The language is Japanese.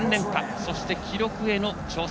そして記録への挑戦。